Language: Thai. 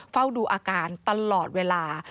เฝ้าดูอาการตลอดเวลา